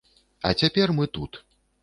А цяпер мы тут.